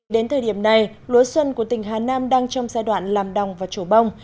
đến thời điểm này lúa xuân của tỉnh hà nam đang trong giai đoạn làm đồng và trổ bông